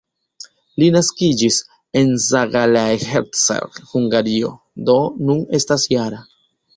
Li naskiĝis en Zalaegerszeg, Hungario, do nun estas -jara.